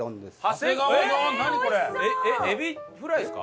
エビフライですか？